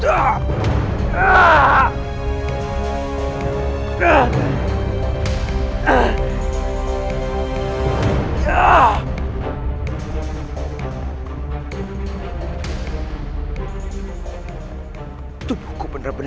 aku harus tetap berjalan